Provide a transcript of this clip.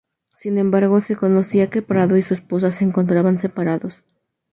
Sin embargo, se conocía que Prado y su esposa se encontraban separados.